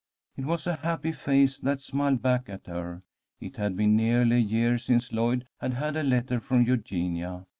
It was a happy face that smiled back at her. It had been nearly a year since Lloyd had had a letter from Eugenia.